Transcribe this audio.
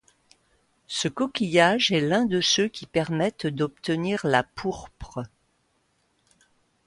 Ce coquillage est l'un de ceux qui permettent d'obtenir la pourpre.